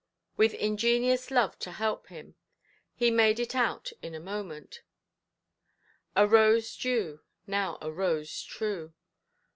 With ingenious love to help him, he made it out in a moment. "A rose due, now a rose true".